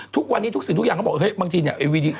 ทุกวันนี้ทุกสิ่งทุกอย่างเขาบอกเฮ้ยบางทีเนี่ยไอวีดี